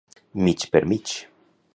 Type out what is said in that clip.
Mig per mig.